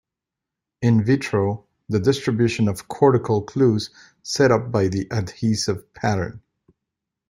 "In vitro", the distribution of cortical clues set up by the adhesive pattern.